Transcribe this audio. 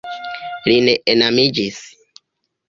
Li ne enamiĝis.